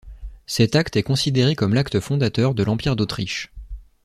Cet acte est considéré comme l'acte fondateur de l'Empire d'Autriche.